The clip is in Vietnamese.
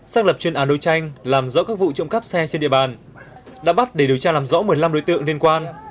xác lập chuyên án đối tranh làm rõ các vụ trộm cắp xe trên địa bàn đã bắt để điều tra làm rõ một mươi năm đối tượng liên quan